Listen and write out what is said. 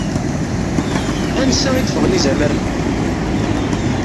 Ansa i d-ffɣen izamaren-nni?